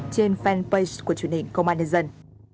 trên fanpage của truyền hình công an nhân dân